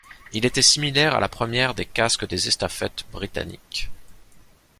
Il était similaire à la première des casques des estafettes britanniques.